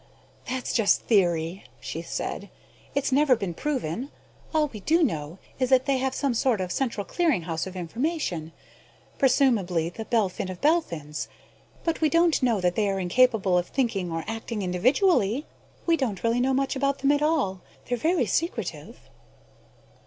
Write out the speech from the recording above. "That's just theory," she said. "It's never been proven. All we do know is that they have some sort of central clearing house of information, presumably The Belphin of Belphins. But we don't know that they are incapable of thinking or acting individually. We don't really know much about them at all; they're very secretive."